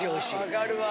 分かるわ。